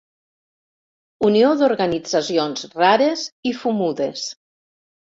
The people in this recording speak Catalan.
Unió d'organitzacions rares i fumudes.